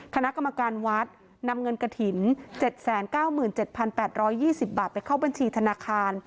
คณะกรรมการวัดนำเงินกระถิ่น๗๙๗๘๒๐บาทไปเข้าบัญชีธนาคาร